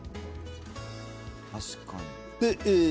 確かに。